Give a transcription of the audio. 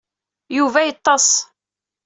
Yuba yeṭṭes.